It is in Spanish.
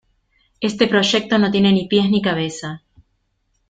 Este proyecto no tiene ni pies ni cabeza.